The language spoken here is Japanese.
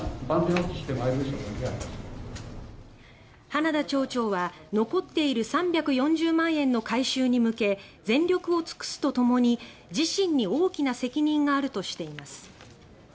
花田町長は、残っている３４０万円の回収に向け全力を尽くすとともに自身に大きな責任があるとしています。